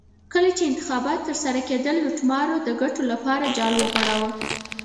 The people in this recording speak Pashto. کله چې انتخابات ترسره کېدل لوټمارو د ګټو لپاره جال وغوړاوه.